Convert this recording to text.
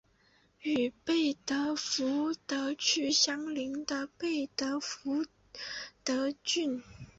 与贝德福德区相邻的中贝德福德郡。